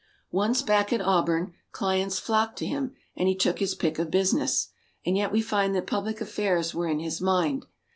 Once back at Auburn, clients flocked to him, and he took his pick of business. And yet we find that public affairs were in his mind.